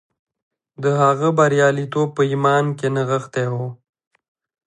د هغه برياليتوب په ايمان کې نغښتی و.